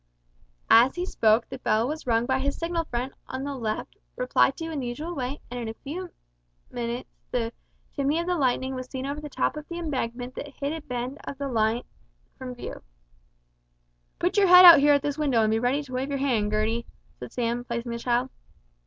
As he spoke the bell was rung by his signal friend on the left replied to in the usual way, and in a few minutes the chimney of the Lightning was seen over the top of the embankment that hid a bend of the up line from view. "Put your head out here at this window, and be ready to wave your hand, Gertie," said Sam, placing the child.